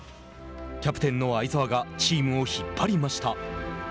キャプテンの相澤がチームを引っ張りました。